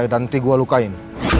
pada nanti gue lukain